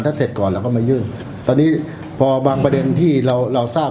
ถ้าเสร็จก่อนเราก็มายื่นตอนนี้พอบางประเด็นที่เราเราทราบ